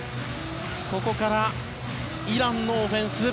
ここからイランのオフェンス。